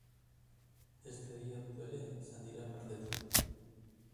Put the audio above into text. Beste bi auto ere izan dira kaltetuak.